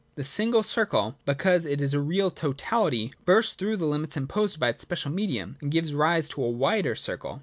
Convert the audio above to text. The single circle, because it is a real totality, bursts through the limits imposed by its special medium, and gives rise to a wider circle.